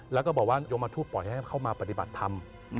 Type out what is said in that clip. แล้วก็บอกว่ายมทูตปล่อยให้เข้ามาปฏิบัติธรรม